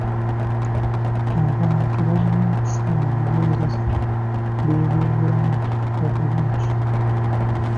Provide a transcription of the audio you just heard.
Abantu balina okufuna obuweereza bw'ebyobulamu obulungi.